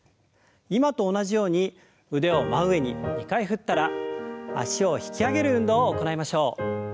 今と同じように腕を真上に２回振ったら脚を引き上げる運動を行いましょう。